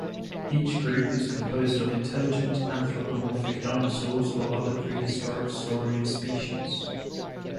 Each group is composed of intelligent anthropomorphic dinosaurs or other prehistoric saurian species.